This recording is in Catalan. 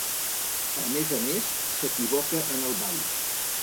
A més a més, s'equivoca en el ball.